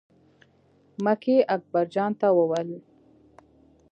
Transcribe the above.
مکۍ اکبر جان ته وویل.